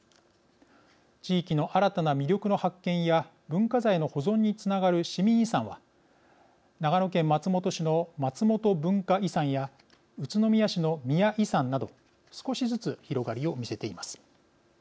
地域の新たな魅力の発見や文化財の保存につながる市民遺産は、長野県松本市の「まつもと文化遺産」や宇都宮市の「みや遺産」など少しずつ広がりを見せています。